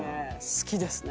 好きですね。